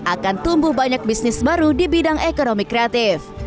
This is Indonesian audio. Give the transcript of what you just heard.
akan tumbuh banyak bisnis baru di bidang ekonomi kreatif